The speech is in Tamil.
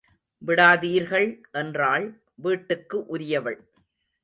விடாதீர்கள் என்றாள் வீட்டுக்கு உரியவள்.